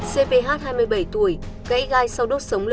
cvh hai mươi bảy tuổi gãy gai sau đốt sống l bốn